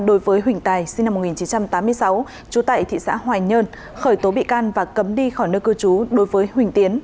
đối với huỳnh tài sinh năm một nghìn chín trăm tám mươi sáu trú tại thị xã hoài nhơn khởi tố bị can và cấm đi khỏi nơi cư trú đối với huỳnh tiến